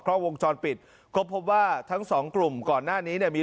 กล้องวงจรปิดก็พบว่าทั้งสองกลุ่มก่อนหน้านี้เนี่ยมี